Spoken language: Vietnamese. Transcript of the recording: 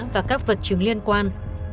và các vật chứng liên quan